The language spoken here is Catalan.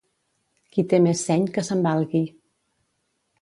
Qui té més seny que se'n valgui.